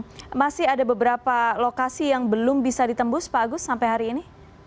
apakah masih ada beberapa lokasi yang belum bisa ditembus pak agus sampai hari ini